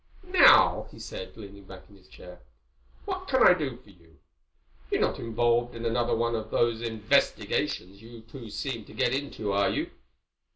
"Now," he said, leaning back in his chair, "what can I do for you? You're not involved in another one of those investigations you two seem to get into, are you?"